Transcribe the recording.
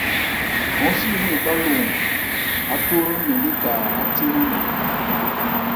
Hɔ́n si ɔ́n ebhá lo ɔn, átho hran mɛn léka áthé hran mɛn ?